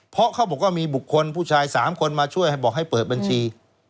เพราะเขาบอกว่ามีบุคคลผู้ชาย๓คนมาช่วยบอกให้เปิดบัญชี